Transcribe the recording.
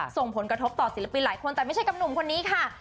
ส่งผลกระทบต่อศิลปินหลายคนแต่ไม่ใช่กับหนุ่มคนนี้ค่ะ